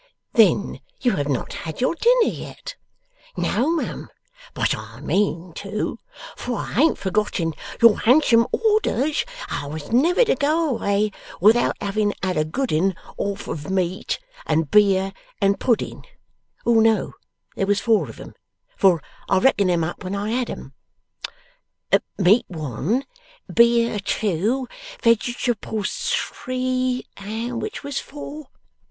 'Then you have not had your dinner yet?' 'No, mum. But I mean to it. For I ain't forgotten your handsome orders that I was never to go away without having had a good 'un off of meat and beer and pudding no: there was four of 'em, for I reckoned 'em up when I had 'em; meat one, beer two, vegetables three, and which was four?